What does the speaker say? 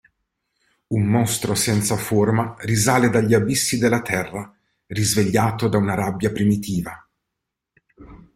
Un mostro senza forma risale dagli abissi della Terra risvegliato da una rabbia primitiva.